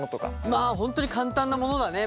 まあ本当に簡単なものだね。